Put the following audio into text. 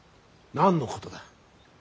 何のことだ。